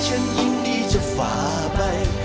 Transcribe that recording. ฉันยินดีจะฝ่าไป